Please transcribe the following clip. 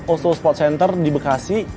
oso spot center di bekasi